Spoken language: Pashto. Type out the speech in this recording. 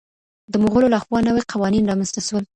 د مغولو لخوا نوي قوانین رامنځته سول.